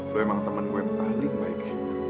gue emang temen gue yang paling baik